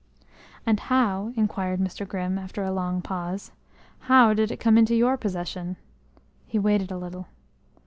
"And how," inquired Mr. Grimm, after a long pause, "how did it come into your possession?" He waited a little.